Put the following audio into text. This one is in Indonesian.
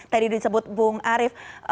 tadi disebut bung arief